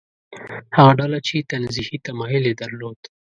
هغه ډله چې تنزیهي تمایل یې درلود.